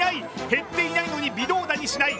減っていないのに微動だにしない。